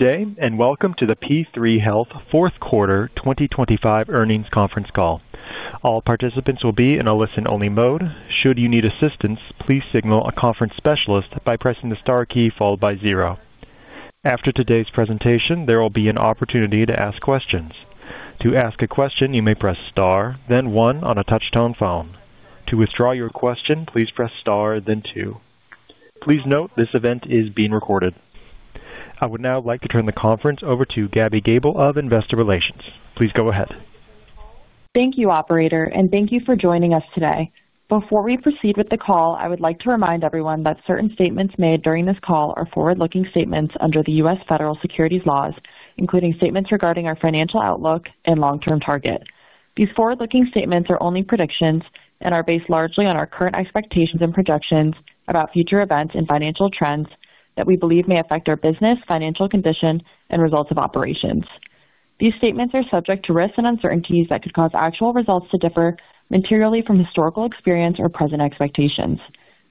Day, welcome to the P3 Health fourth quarter 2025 earnings conference call. All participants will be in a listen-only mode. Should you need assistance, please signal a conference specialist by pressing the star key followed by zero. After today's presentation, there will be an opportunity to ask questions. To ask a question, you may press star, then one on a touch-tone phone. To withdraw your question, please press star then two. Please note this event is being recorded. I would now like to turn the conference over to Gabby Gabel of Investor Relations. Please go ahead. Thank you, operator, and thank you for joining us today. Before we proceed with the call, I would like to remind everyone that certain statements made during this call are forward-looking statements under the U.S. federal securities laws, including statements regarding our financial outlook and long-term target. These forward-looking statements are only predictions and are based largely on our current expectations and projections about future events and financial trends that we believe may affect our business, financial condition, and results of operations. These statements are subject to risks and uncertainties that could cause actual results to differ materially from historical experience or present expectations.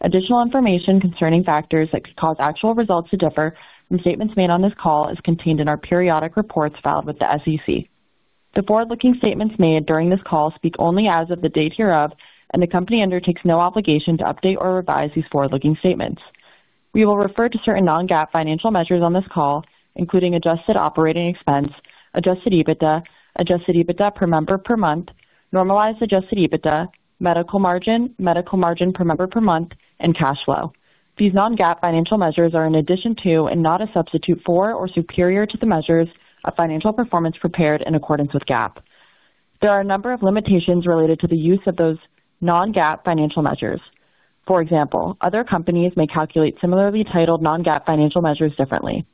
Additional information concerning factors that could cause actual results to differ from statements made on this call is contained in our periodic reports filed with the SEC. The forward-looking statements made during this call speak only as of the date hereof, and the company undertakes no obligation to update or revise these forward-looking statements. We will refer to certain non-GAAP financial measures on this call, including Adjusted Operating Expense, Adjusted EBITDA, Adjusted EBITDA per member per month, Normalized Adjusted EBITDA, Medical Margin, Medical Margin per member per month, and cash flow. These non-GAAP financial measures are in addition to and not a substitute for or superior to the measures of financial performance prepared in accordance with GAAP. There are a number of limitations related to the use of those non-GAAP financial measures. For example, other companies may calculate similarly titled non-GAAP financial measures differently.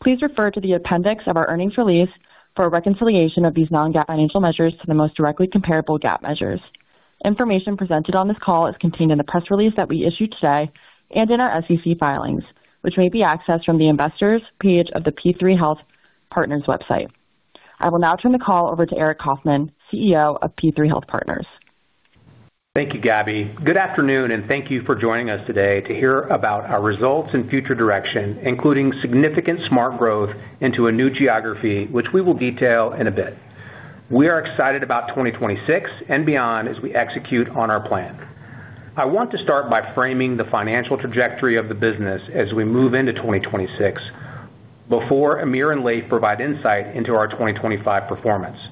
Please refer to the appendix of our earnings release for a reconciliation of these non-GAAP financial measures to the most directly comparable GAAP measures. Information presented on this call is contained in the press release that we issued today and in our SEC filings, which may be accessed from the Investors page of the P3 Health Partners website. I will now turn the call over to Aric Coffman, CEO of P3 Health Partners. Thank you, Gabby. Good afternoon, and thank you for joining us today to hear about our results and future direction, including significant smart growth into a new geography, which we will detail in a bit. We are excited about 2026 and beyond as we execute on our plan. I want to start by framing the financial trajectory of the business as we move into 2026 before Amir and Leif provide insight into our 2025 performance.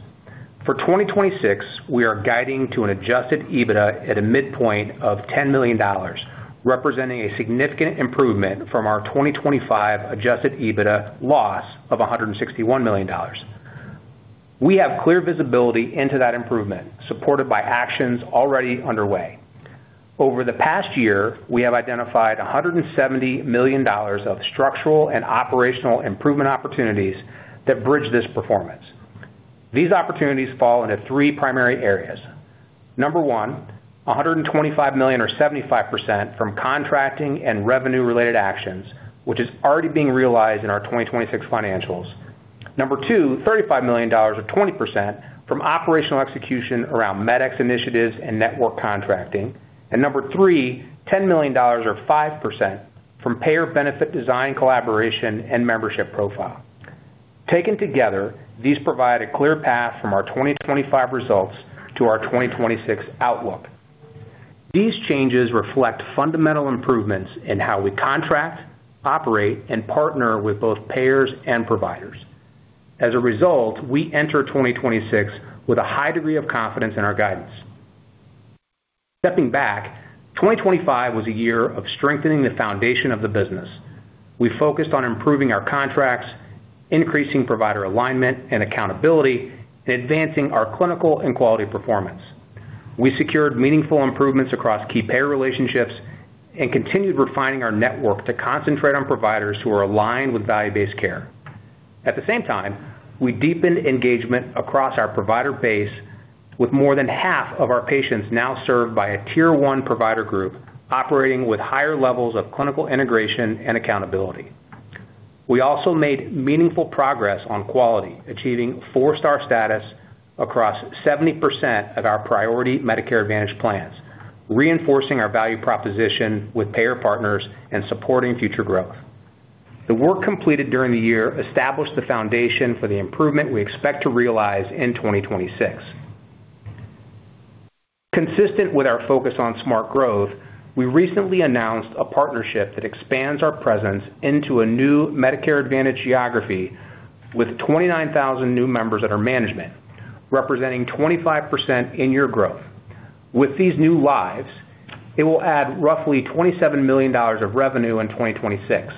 For 2026, we are guiding to an Adjusted EBITDA at a midpoint of $10 million, representing a significant improvement from our 2025 Adjusted EBITDA loss of $161 million. We have clear visibility into that improvement, supported by actions already underway. Over the past year, we have identified $170 million of structural and operational improvement opportunities that bridge this performance. These opportunities fall into three primary areas. Number one, $125 million, or 75% from contracting and revenue related actions, which is already being realized in our 2026 financials. Number two, $35 million or 20% from operational execution around MedEx initiatives and network contracting. Number three, $10 million or 5% from payer benefit design, collaboration and membership profile. Taken together, these provide a clear path from our 2025 results to our 2026 outlook. These changes reflect fundamental improvements in how we contract, operate, and partner with both payers and providers. As a result, we enter 2026 with a high degree of confidence in our guidance. Stepping back, 2025 was a year of strengthening the foundation of the business. We focused on improving our contracts, increasing provider alignment and accountability, and advancing our clinical and quality performance. We secured meaningful improvements across key payer relationships and continued refining our network to concentrate on providers who are aligned with value-based care. At the same time, we deepened engagement across our provider base with more than half of our patients now served by a Tier 1 provider group operating with higher levels of clinical integration and accountability. We also made meaningful progress on quality, achieving Four-Star status across 70% of our priority Medicare Advantage plans, reinforcing our value proposition with payer partners and supporting future growth. The work completed during the year established the foundation for the improvement we expect to realize in 2026. Consistent with our focus on smart growth, we recently announced a partnership that expands our presence into a new Medicare Advantage geography with 29,000 new members under management, representing 25% year-over-year growth. With these new lives, it will add roughly $27 million of revenue in 2026.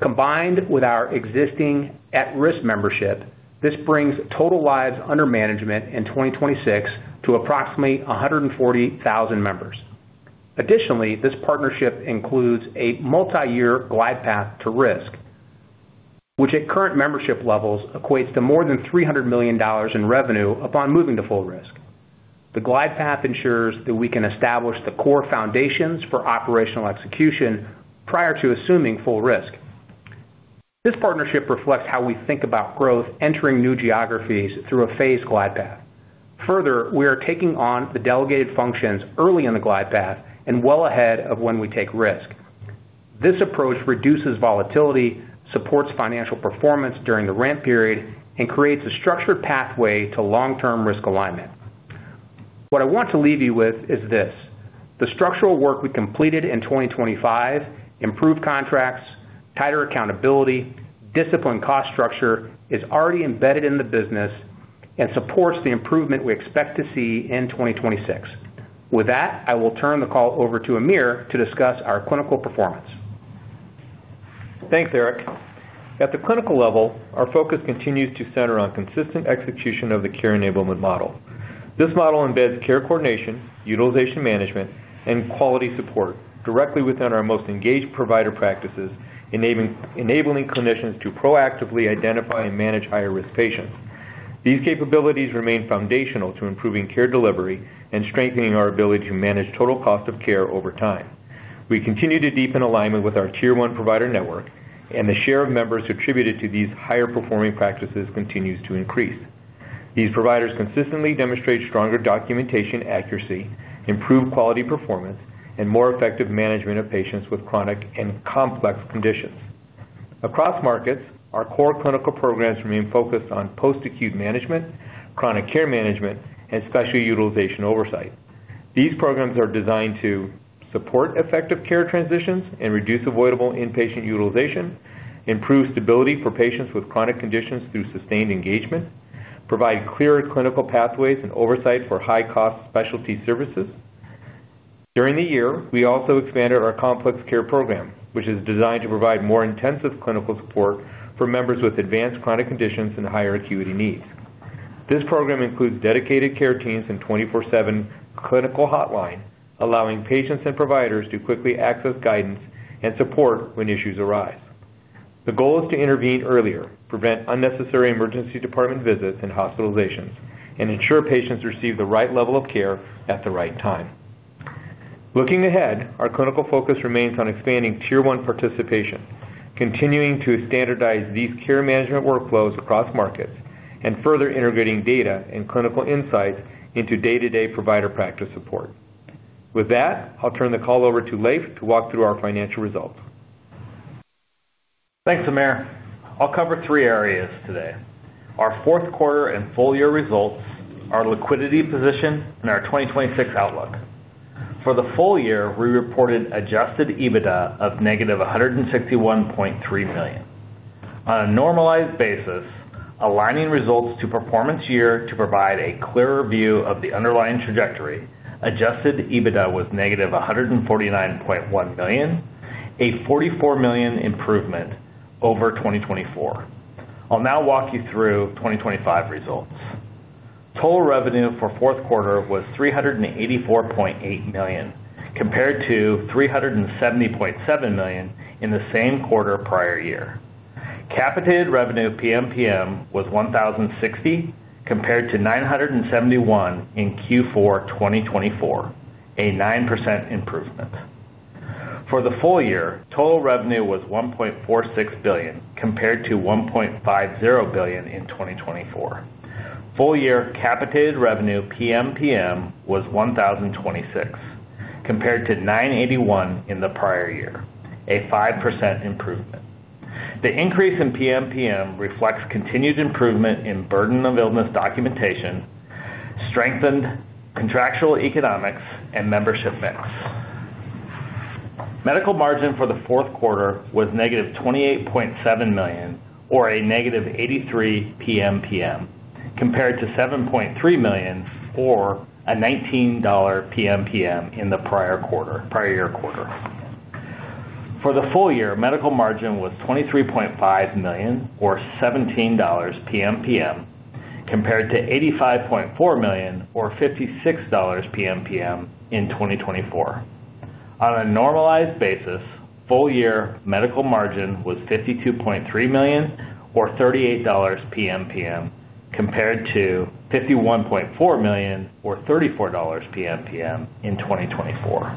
Combined with our existing at-risk membership, this brings total lives under management in 2026 to approximately 140,000 members. Additionally, this partnership includes a multi-year glide path to risk, which at current membership levels equates to more than $300 million in revenue upon moving to full risk. The glide path ensures that we can establish the core foundations for operational execution prior to assuming full risk. This partnership reflects how we think about growth, entering new geographies through a phased glide path. Further, we are taking on the delegated functions early in the glide path and well ahead of when we take risk. This approach reduces volatility, supports financial performance during the ramp period, and creates a structured pathway to long-term risk alignment. What I want to leave you with is this, the structural work we completed in 2025, improved contracts, tighter accountability, disciplined cost structure is already embedded in the business and supports the improvement we expect to see in 2026. With that, I will turn the call over to Amir to discuss our clinical performance. Thanks, Aric. At the clinical level, our focus continues to center on consistent execution of the Care Enablement Model. This model embeds care coordination, utilization management, and quality support directly within our most engaged provider practices, enabling clinicians to proactively identify and manage higher-risk patients. These capabilities remain foundational to improving care delivery and strengthening our ability to manage total cost of care over time. We continue to deepen alignment with our Tier 1 provider network, and the share of members attributed to these higher performing practices continues to increase. These providers consistently demonstrate stronger documentation accuracy, improved quality performance, and more effective management of patients with chronic and complex conditions. Across markets, our core clinical programs remain focused on post-acute management, chronic care management, and special utilization oversight. These programs are designed to support effective care transitions and reduce avoidable inpatient utilization, improve stability for patients with chronic conditions through sustained engagement, provide clearer clinical pathways and oversight for high-cost specialty services. During the year, we also expanded our complex care program, which is designed to provide more intensive clinical support for members with advanced chronic conditions and higher acuity needs. This program includes dedicated care teams and 24/7 clinical hotline, allowing patients and providers to quickly access guidance and support when issues arise. The goal is to intervene earlier, prevent unnecessary emergency department visits and hospitalizations, and ensure patients receive the right level of care at the right time. Looking ahead, our clinical focus remains on expanding Tier 1 participation, continuing to standardize these care management workflows across markets, and further integrating data and clinical insights into day-to-day provider practice support. With that, I'll turn the call over to Leif to walk through our financial results. Thanks, Amir. I'll cover three areas today, our fourth quarter and full year results, our liquidity position, and our 2026 outlook. For the full year, we reported Adjusted EBITDA of -$161.3 million. On a normalized basis, aligning results to performance year to provide a clearer view of the underlying trajectory, Adjusted EBITDA was -$149.1 million, a $44 million improvement over 2024. I'll now walk you through 2025 results. Total revenue for fourth quarter was $384.8 million, compared to $370.7 million in the same quarter prior year. Capitated Revenue PMPM was $1,060, compared to $971 in Q4 2024, a 9% improvement. For the full year, total revenue was $1.46 billion, compared to $1.50 billion in 2024. Full year capitated revenue PMPM was 1,026, compared to 981 in the prior year, a 5% improvement. The increase in PMPM reflects continued improvement in burden of illness documentation, strengthened contractual economics, and membership mix. Medical margin for the fourth quarter was -$28.7 million, or -83 PMPM, compared to $7.3 million, or $19 PMPM in the prior year quarter. For the full year, medical margin was $23.5 million, or $17 PMPM, compared to $85.4 million, or $56 PMPM in 2024. On a normalized basis, full year Medical Margin was $52.3 million, or $38 PMPM, compared to $51.4 million, or $34 PMPM in 2024.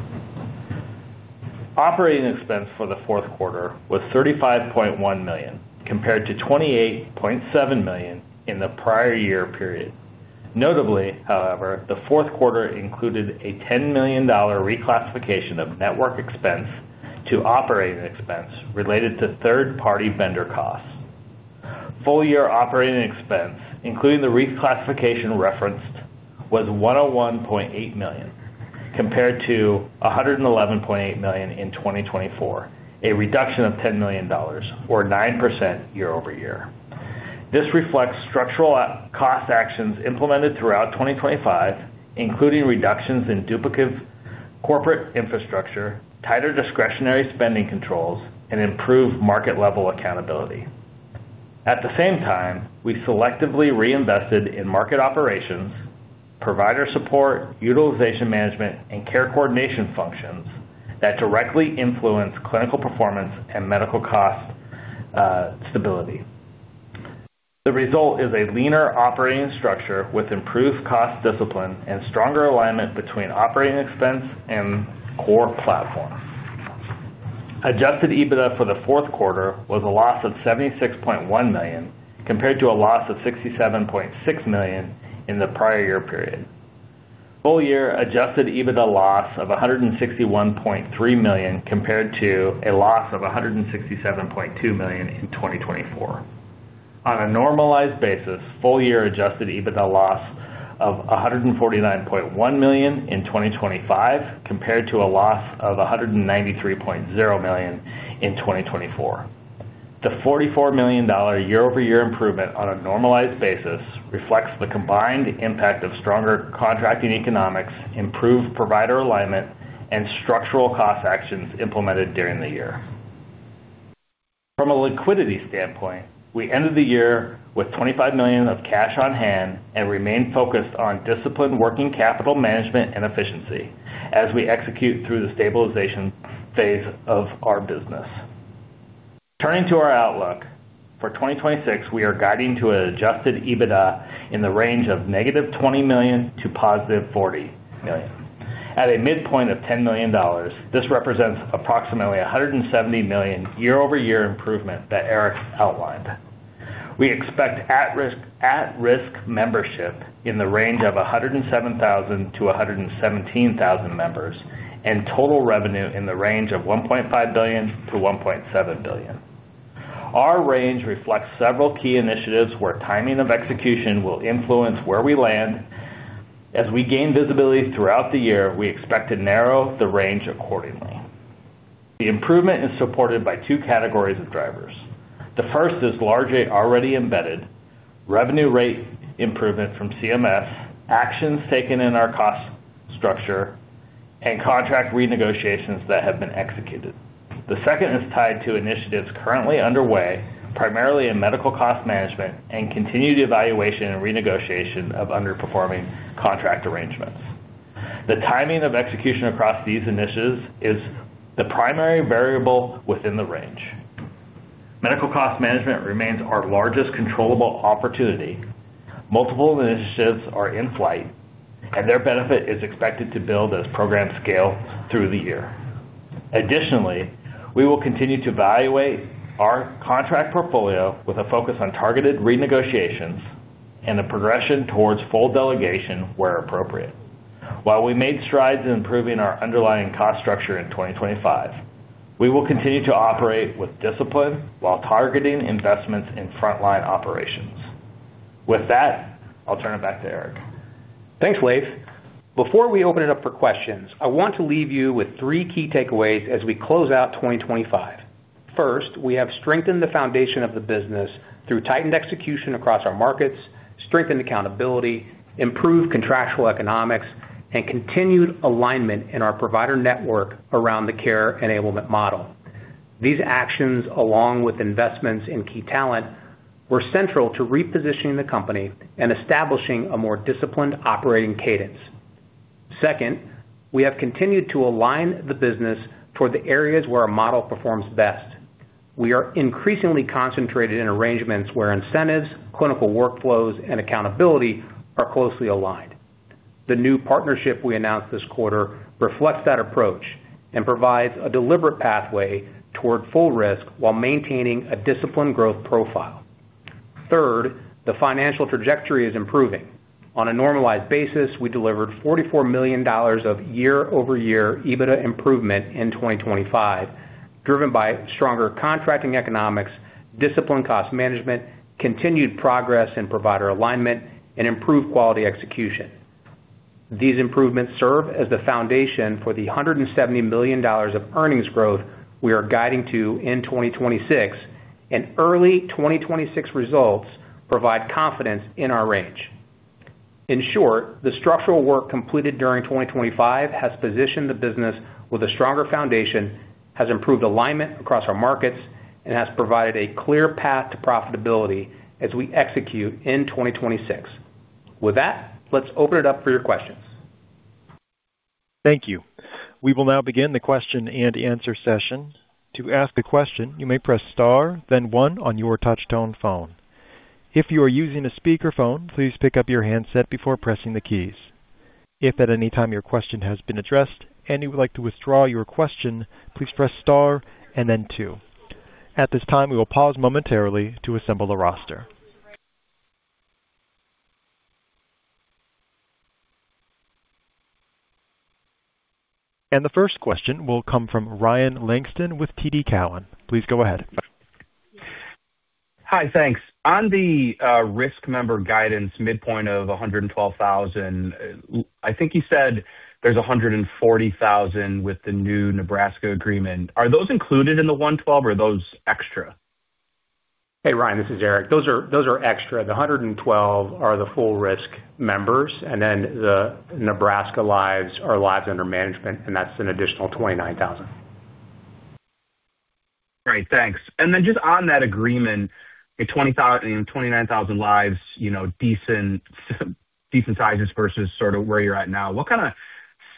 Operating expense for the fourth quarter was $35.1 million, compared to $28.7 million in the prior year period. Notably, however, the fourth quarter included a $10 million reclassification of network expense to operating expense related to third-party vendor costs. Full year operating expense, including the reclassification referenced, was $101.8 million, compared to $111.8 million in 2024, a reduction of $10 million or 9% year-over-year. This reflects structural cost actions implemented throughout 2025, including reductions in duplicate corporate infrastructure, tighter discretionary spending controls, and improved market level accountability. At the same time, we selectively reinvested in market operations, provider support, utilization management, and care coordination functions that directly influence clinical performance and medical cost stability. The result is a leaner operating structure with improved cost discipline and stronger alignment between operating expense and core platform. Adjusted EBITDA for the fourth quarter was a loss of $76.1 million, compared to a loss of $67.6 million in the prior year period. Full year Adjusted EBITDA loss of $161.3 million compared to a loss of $167.2 million in 2024. On a normalized basis, full year Adjusted EBITDA loss of $149.1 million in 2025 compared to a loss of $193.0 million in 2024. The $44 million year-over-year improvement on a normalized basis reflects the combined impact of stronger contracting economics, improved provider alignment, and structural cost actions implemented during the year. From a liquidity standpoint, we ended the year with $25 million of cash on hand and remain focused on disciplined working capital management and efficiency as we execute through the stabilization phase of our business. Turning to our outlook. For 2026, we are guiding to an Adjusted EBITDA in the range of -$20 million to $40 million. At a midpoint of $10 million, this represents approximately a $170 million year-over-year improvement that Aric outlined. We expect at-risk membership in the range of 107,000 to 117,000 members, and total revenue in the range of $1.5 billion to $1.7 billion. Our range reflects several key initiatives where timing of execution will influence where we land. As we gain visibility throughout the year, we expect to narrow the range accordingly. The improvement is supported by two categories of drivers. The first is largely already embedded revenue rate improvement from CMS, actions taken in our cost structure, and contract renegotiations that have been executed. The second is tied to initiatives currently underway, primarily in medical cost management and continued evaluation and renegotiation of underperforming contract arrangements. The timing of execution across these initiatives is the primary variable within the range. Medical cost management remains our largest controllable opportunity. Multiple initiatives are in flight, and their benefit is expected to build as programs scale through the year. Additionally, we will continue to evaluate our contract portfolio with a focus on targeted renegotiations and a progression towards full delegation where appropriate. While we made strides in improving our underlying cost structure in 2025, we will continue to operate with discipline while targeting investments in frontline operations. With that, I'll turn it back to Aric. Thanks, Leif. Before we open it up for questions, I want to leave you with three key takeaways as we close out 2025. First, we have strengthened the foundation of the business through tightened execution across our markets, strengthened accountability, improved contractual economics, and continued alignment in our provider network around the Care Enablement Model. These actions, along with investments in key talent, were central to repositioning the company and establishing a more disciplined operating cadence. Second, we have continued to align the business toward the areas where our model performs best. We are increasingly concentrated in arrangements where incentives, clinical workflows, and accountability are closely aligned. The new partnership we announced this quarter reflects that approach and provides a deliberate pathway toward full risk while maintaining a disciplined growth profile. Third, the financial trajectory is improving. On a normalized basis, we delivered $44 million of year-over-year EBITDA improvement in 2025, driven by stronger contracting economics, disciplined cost management, continued progress in provider alignment, and improved quality execution. These improvements serve as the foundation for the $170 million of earnings growth we are guiding to in 2026, and early 2026 results provide confidence in our range. In short, the structural work completed during 2025 has positioned the business with a stronger foundation, has improved alignment across our markets, and has provided a clear path to profitability as we execute in 2026. With that, let's open it up for your questions. Thank you. We will now begin the question-and-answer session. To ask a question, you may press Star, then one on your touchtone phone. If you are using a speakerphone, please pick up your handset before pressing the keys. If at any time your question has been addressed and you would like to withdraw your question, please press Star and then two. At this time, we will pause momentarily to assemble the roster. The first question will come from Ryan Langston with TD Cowen. Please go ahead. Hi. Thanks. On the risk member guidance midpoint of 112,000, I think you said there's 140,000 with the new Nebraska agreement. Are those included in the 112 or are those extra? Hey, Ryan, this is Aric. Those are extra. The 112 are the full risk members, and then the Nebraska lives are lives under management, and that's an additional 29,000. Great. Thanks. Just on that agreement, the 29,000 lives, you know, decent sizes versus sort of where you're at now. What kind of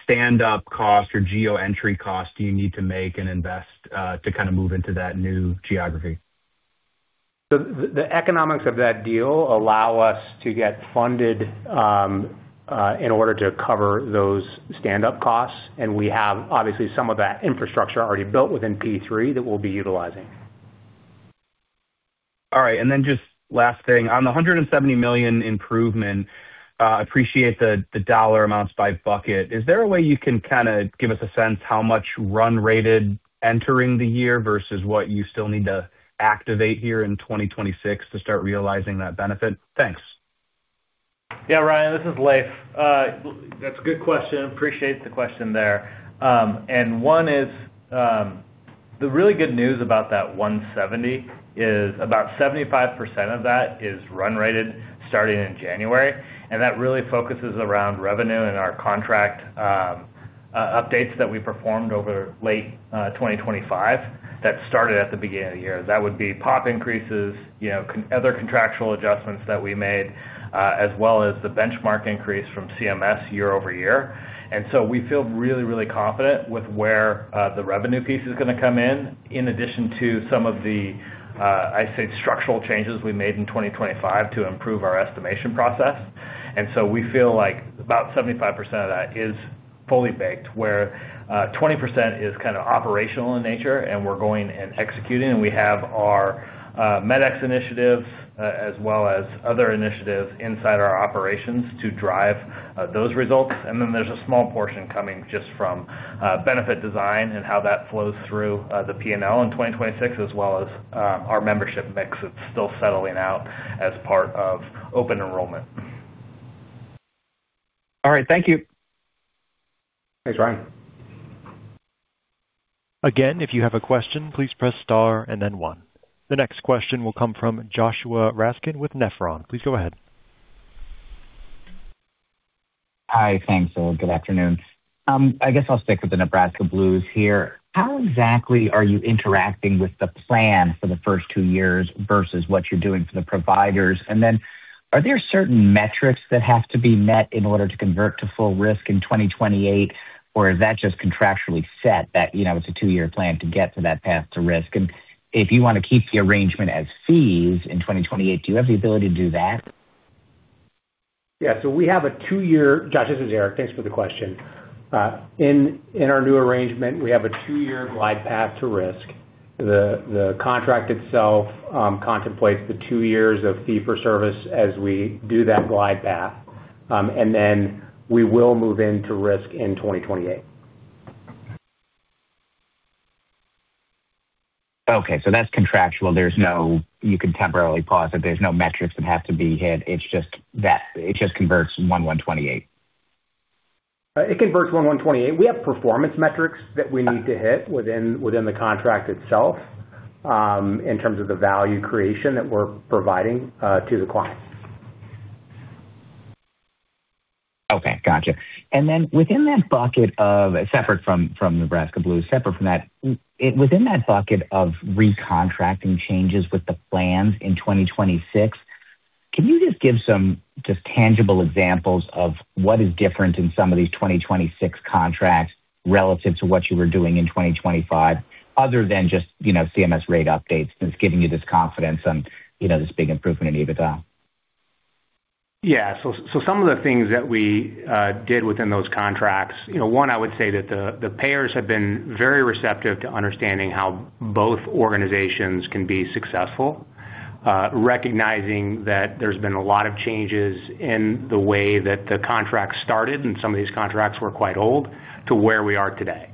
standup costs or geo-entry costs do you need to make and invest to kind of move into that new geography? The economics of that deal allow us to get funded, in order to cover those stand-up costs, and we have obviously some of that infrastructure already built within P3 that we'll be utilizing. All right. Just last thing. On the $170 million improvement, appreciate the dollar amounts by bucket. Is there a way you can kinda give us a sense how much run-rated entering the year versus what you still need to activate here in 2026 to start realizing that benefit? Thanks. Yeah, Ryan, this is Leif. That's a good question. Appreciate the question there. One is the really good news about that $170 is about 75% of that is run-rated starting in January, and that really focuses around revenue and our contract updates that we performed over late 2025 that started at the beginning of the year. That would be POP increases, you know, other contractual adjustments that we made, as well as the benchmark increase from CMS year-over-year. We feel really, really confident with where the revenue piece is gonna come in addition to some of the I'd say structural changes we made in 2025 to improve our estimation process. We feel like about 75% of that is fully baked, where 20% is kinda operational in nature, and we're going and executing. We have our MedEx initiatives, as well as other initiatives inside our operations to drive those results. There's a small portion coming just from benefit design and how that flows through the P&L in 2026, as well as our membership mix that's still settling out as part of open enrollment. All right. Thank you. Thanks, Ryan. Again, if you have a question, please press star and then one. The next question will come from Joshua Raskin with Nephron. Please go ahead. Hi. Thanks. Good afternoon. I guess I'll stick with the Nebraska Blues here. How exactly are you interacting with the plan for the first two years versus what you're doing for the providers? And then are there certain metrics that have to be met in order to convert to full risk in 2028, or is that just contractually set that, you know, it's a two-year plan to get to that path to risk? And if you wanna keep the arrangement as fees in 2028, do you have the ability to do that? Joshua, this is Aric. Thanks for the question. In our new arrangement, we have a two-year glide path to risk. The contract itself contemplates the two years of fee for service as we do that glide path. Then we will move into risk in 2028. Okay. That's contractual. There's no. You can temporarily pause it. There's no metrics that have to be hit. It's just that. It just converts 1-1 28. It converts 1-1 128. We have performance metrics that we need to hit within the contract itself, in terms of the value creation that we're providing to the client. Okay. Gotcha. Separate from Nebraska Blue, separate from that, within that bucket of recontracting changes with the plans in 2026, can you just give some just tangible examples of what is different in some of these 2026 contracts relative to what you were doing in 2025, other than just, you know, CMS rate updates that's giving you this confidence on, you know, this big improvement in EBITDA? Some of the things that we did within those contracts, you know, one, I would say that the payers have been very receptive to understanding how both organizations can be successful, recognizing that there's been a lot of changes in the way that the contract started, and some of these contracts were quite old, to where we are today.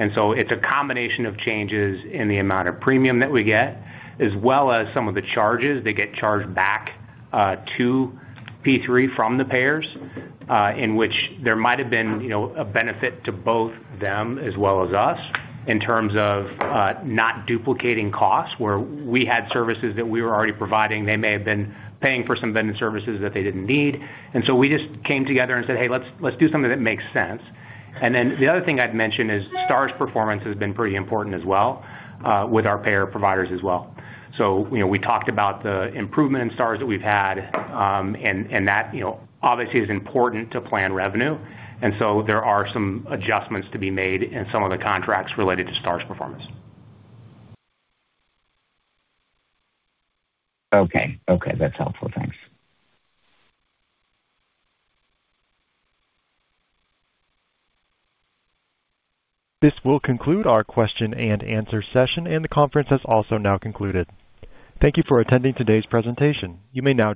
It's a combination of changes in the amount of premium that we get, as well as some of the charges that get charged back to P3 from the payers, in which there might have been, you know, a benefit to both them as well as us in terms of not duplicating costs where we had services that we were already providing. They may have been paying for some vendor services that they didn't need. We just came together and said, "Hey, let's do something that makes sense." The other thing I'd mention is Stars performance has been pretty important as well with our payer providers as well. You know, we talked about the improvement in Stars that we've had, and that, you know, obviously is important to plan revenue. There are some adjustments to be made in some of the contracts related to Stars performance. Okay. Okay, that's helpful. Thanks. This will conclude our question and answer session, and the conference has also now concluded. Thank you for attending today's presentation. You may now disconnect.